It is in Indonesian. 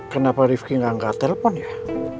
kenapa rifki gak angkat telpon ya